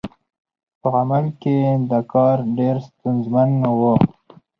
په عمل کې دا کار ډېر ستونزمن و.